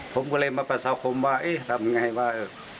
ผมก็เลยมาประสาคมว่าเอ๊ะทำยังไงว่า